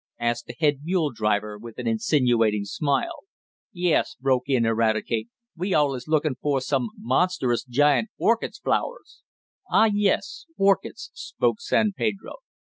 asked the head mule driver with an insinuating smile. "Yes," broke in Eradicate. "We all is lookin' fo' some monstrous giant orchards flowers." "Ah, yes, orchids," spoke San Pedro.